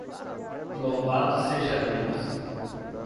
Louvado seja Deus!